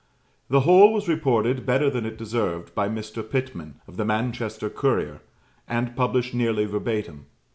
The whole was reported, better than it deserved, by Mr. Pitman, of the Manchester Courier, and published nearly verbatim.